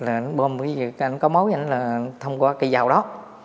anh bơm có mối là thông qua cây dầu đó